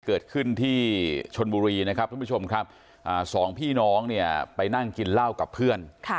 เกิดขึ้นที่ชนบุรีนะครับทุกผู้ชมครับสองพี่น้องเนี่ยไปนั่งกินเหล้ากับเพื่อน